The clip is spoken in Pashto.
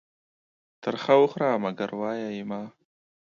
تر خه وخوره ، منگر وايه يې مه.